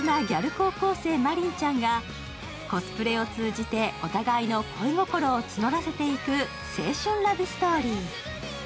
高校生マリンちゃんがコスプレを通じてお互いの恋心を募らせていく青春ラブストーリー。